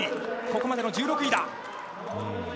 ここまでの１６位だ。